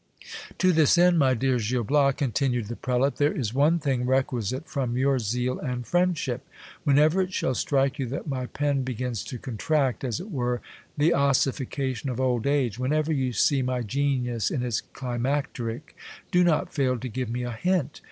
To this end, my dear Gil Bias, continued the prelate, there is one thing re quisite from your zeal and friendship. Whenever it shall strike you that my pen begins to contract, as it were, the ossification of old age, whenever you see my genius in its climacteric, do not fail to give me a hint.